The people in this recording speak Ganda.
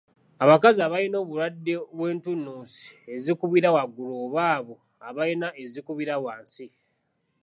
Abakazi abalina obulwadde bw’entunnunsi ezikubira waggula oba abo abalina ezikubira wansi.